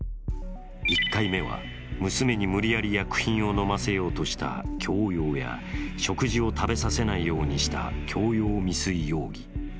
１回目は娘に無理やり薬品を飲ませようとした強要や食事を食べさせないようにした強要未遂容疑。